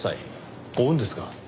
追うんですか？